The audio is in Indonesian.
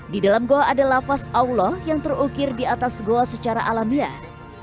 di dalam goa ada lafaz allah yang terukir di atas goa secara alamiah